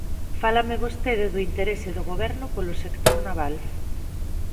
Fálame vostede do interese do Goberno polo sector naval.